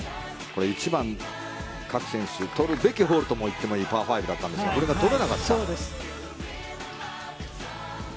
１番、各選手取るべきホールともいっていいパー５だったんですがこれが取れなかった。